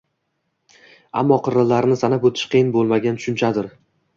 ammo qirralarini sanab o‘tish qiyin bo‘lmagan tushunchadir.